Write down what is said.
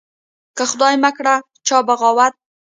که خدای مکړه چا بغاوت